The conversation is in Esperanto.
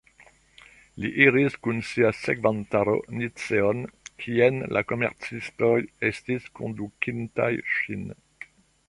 Li iris kun sia sekvantaro Niceon, kien la komercistoj estis kondukintaj ŝin.